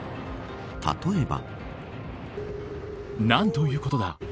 例えば。